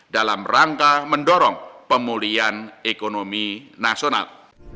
dalam rangka mendorong pemulihan ekonomi nasional